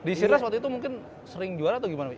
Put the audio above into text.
di siras waktu itu mungkin sering juara atau gimana